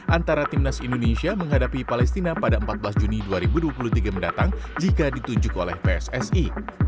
antara timnas indonesia menghadapi palestina pada empat belas juni dua ribu dua puluh tiga mendatang jika ditunjuk oleh pssi